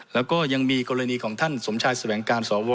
แล้วก็ยังมีกรณีของท่านสมชายแสวงการสว